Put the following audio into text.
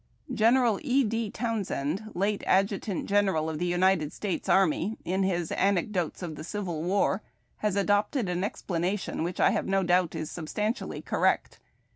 General E. D. Townsend, late Adjutant General of the United States Army, in his '' Anecdotes of the Civil TFar," has adopted an explanation which, I have no doubt, is substantially correct.